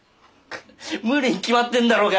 無理に決まってんだろうが！